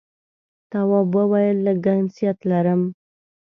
تواب وويل: لږ گنگسیت لرم.